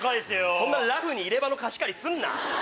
そんなラフに貸し借りすんな！